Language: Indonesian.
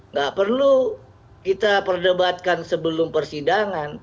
nggak perlu kita perdebatkan sebelum persidangan